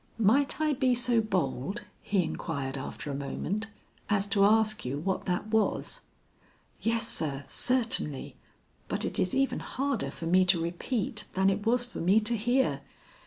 "Might I be so bold," he inquired after a moment, "as to ask you what that was?" "Yes, sir, certainly, but it is even harder for me to repeat than it was for me to hear.